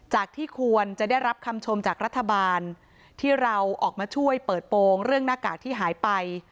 ที่ควรจะได้รับคำชมจากรัฐบาลที่เราออกมาช่วยเปิดโปรงเรื่องหน้ากากที่หายไป